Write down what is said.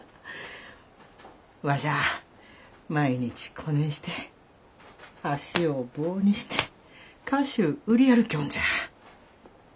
わしゃあ毎日こねんして足を棒にして菓子ゅう売り歩きょうるんじゃ」。